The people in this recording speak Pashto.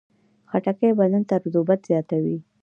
خټکی بدن ته رطوبت زیاتوي.